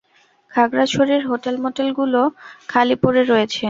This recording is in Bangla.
খাগড়াছড়ির হোটেল মোটেলগুলো খালি পড়ে রয়েছে।